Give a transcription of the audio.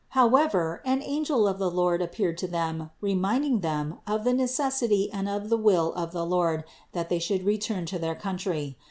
However, an angel of the Lord appeared to them, reminding them of the necessity and of the will of the Lord that they should return to their country.